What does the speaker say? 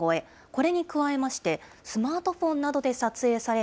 これに加えまして、スマートフォンなどで撮影され